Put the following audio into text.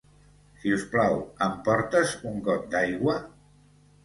Si us plau, em portes un got d'aigua?